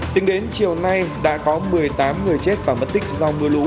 tính đến chiều nay đã có một mươi tám người chết và mất tích do mưa lũ